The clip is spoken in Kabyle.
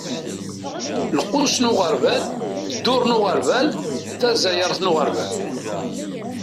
Lqus n uɣerbal, dduṛ n uɣerbal, tazayeṛt n uɣerbal.